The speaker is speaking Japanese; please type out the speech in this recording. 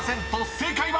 正解は⁉］